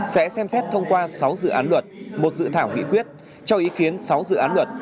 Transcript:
sẽ xem xét thông qua sáu dự án luật một dự thảo nghị quyết cho ý kiến sáu dự án luật